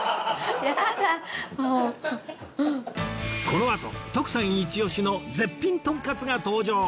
このあと徳さんイチオシの絶品とんかつが登場！